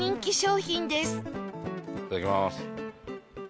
いただきます。